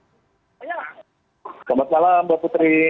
selamat malam mbak putri